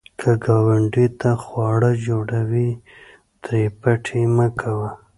که ګاونډي ته خواړه جوړوې، ترې پټ یې مه کوه